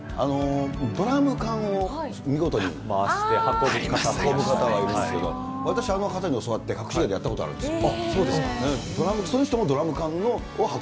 ドラム缶を見事に回して運ぶ方がいるんですけど、私、あの方に教わってかくし芸でやったことあるんですよ。